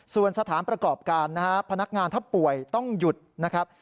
ส่วนสถานประกอบการนะฮะพนักงานถ้าป่วยต้องหยุดนะครับ